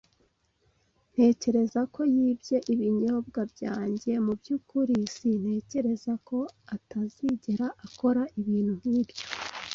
"Ntekereza ko yibye ibinyobwa byanjye." "Mu byukuri? Sintekereza ko atazigera akora ibintu nk'ibyo."